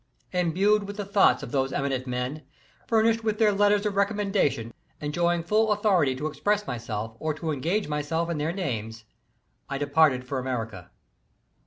Imbued with the thoughts of those eminent men, fur nished with their letters of recommendation, enjoying full authority to express myself or to engage myself in their names, I departed for America.